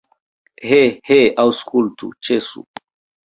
He, he, aŭskultu, ĉesu!